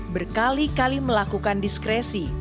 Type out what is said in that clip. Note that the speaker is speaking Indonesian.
berkali kali melakukan diskresi